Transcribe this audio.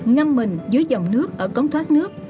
ngăn mình dưới dòng nước ở công ty trách nhiệm hữu hạng